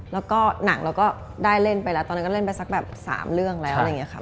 แล้วก็หนังเราก็ได้เล่นไปแล้วตอนนั้นก็เล่นไปสักแบบ๓เรื่องแล้วอะไรอย่างนี้ค่ะ